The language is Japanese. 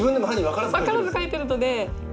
分からず書いてるので。